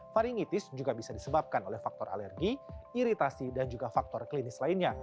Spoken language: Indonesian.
varingitis juga bisa disebabkan oleh faktor alergi iritasi dan juga faktor klinis lainnya